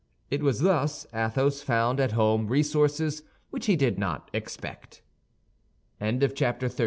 It was thus Athos found at home resources which he did not expect. Chapter XXXIX.